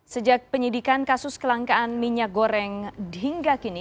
sejak penyidikan kasus kelangkaan minyak goreng hingga kini